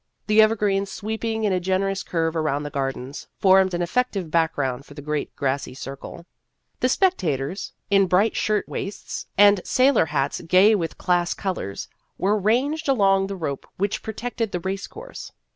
The evergreens, sweeping in a generous curve around the gardens, formed an effective background for the great grassy Circle. The spectators, in bright shirt waists and sailor hats gay with class colors, were ranged along the rope which protected the race course.